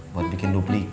buat bikin duplik